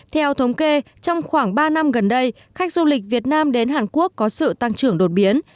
theo thống kê trong khoảng ba năm gần đây khách du lịch việt nam đến hàn quốc có sự tăng trưởng đột biến